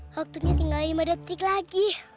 waktunya tinggal lima detik lagi